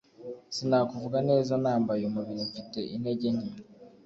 sinakuvuga neza nambaye umubiri mfite intege nke